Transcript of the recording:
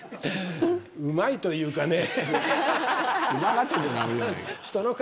うまいというかね。